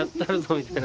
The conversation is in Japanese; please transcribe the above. みたいな。